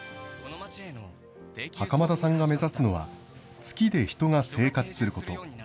袴田さんが目指すのは、月で人が生活すること。